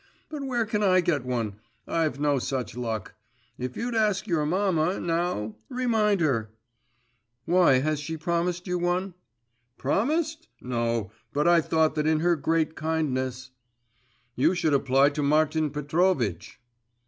But where can I get one? I've no such luck. If you'd ask your mamma, now remind her.' 'Why, has she promised you one?' 'Promised? No; but I thought that in her great kindness ' 'You should apply to Martin Petrovitch.